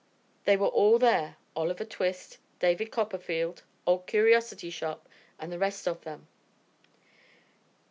They were all there Oliver Twist, David Copperfield, Old Curiosity Shop and the rest of them.